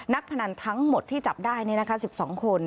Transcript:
นักพนันทั้งหมดที่จับได้นี่นะคะ๑๒คน